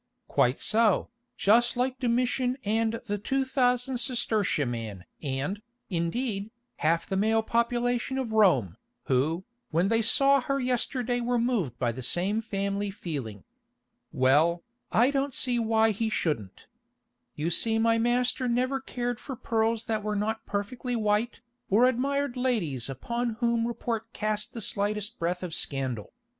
"Quite so, just like Domitian and the two thousand sestertia man and, indeed, half the male population of Rome, who, when they saw her yesterday were moved by the same family feeling. Well, I don't see why he shouldn't. You see my master never cared for pearls that were not perfectly white, or admired ladies upon whom report cast the slightest breath of scandal.